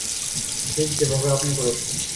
ঠিক যেভাবে আপনি করেছেন।